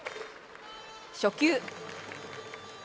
初球。